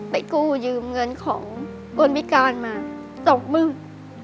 ไปกู้ยืมเงินของคนพิการมาตกมึง